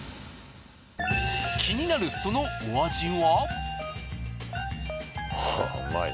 気になるそのお味は？